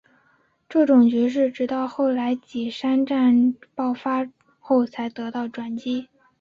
这种局势直到后来稷山之战爆发后才得到转机。